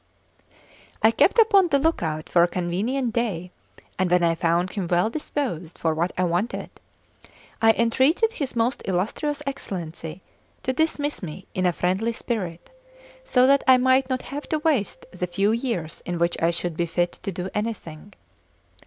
I kept upon the look out for a convenient day; and when I found him well disposed for what I wanted, I entreated his most illustrious Excellency to dismiss me in a friendly spirit, so that I might not have to waste the few years in which I should be fit to do anything.